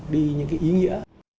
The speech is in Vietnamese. đi những cái ý nghĩa